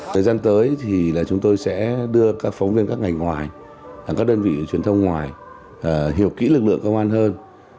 thời gian tới thì chúng tôi sẽ đưa các phóng viên các ngành ngoài các đơn vị truyền thông ngoài hiểu kỹ lực lượng công an hơn